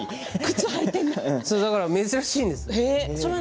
だから珍しいんです今日は。